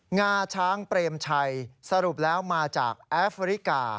งาช้างเปรมชัยสรุปแล้วมาจากแอฟริกา